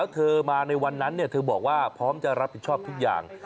เธอบอกว่าพร้อมจะรับผิดชอบทุกอย่าง